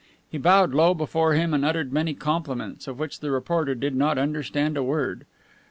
He bowed low before him and uttered many compliments, of which the reporter did not understand a word.